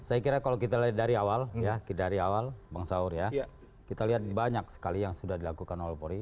saya kira kalau kita dari awal bang saur ya kita lihat banyak sekali yang sudah dilakukan oleh polri